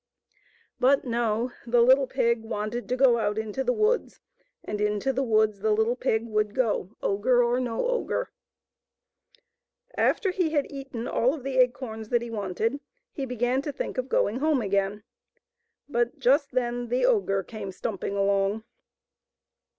But no ; the little pig wanted to go out into the woods, and into the woods the little pig would go, ogre or no ogre. After he had eaten all of the acorns that he wanted he began to think of going home again, but just then the ogre came stumping along.